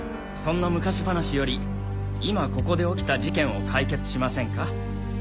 そんな昔話より今ここで起きた事件を解決しませんか？